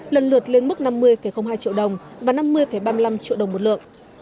lần lượt lên mức năm mươi hai triệu đồng và năm mươi ba mươi năm triệu đồng một lượng